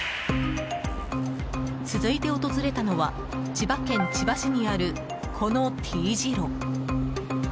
続いて訪れたのは千葉県千葉市にある、このＴ字路。